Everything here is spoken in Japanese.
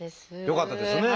よかったですね。